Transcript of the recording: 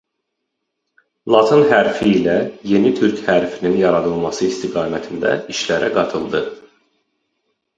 Latın hərfi ilə yeni Türk hərfinin yaradılması istiqamətində işlərə qatıldı.